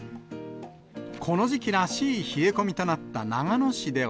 この時期らしい冷え込みとなった長野市では、